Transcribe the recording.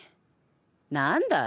何だい？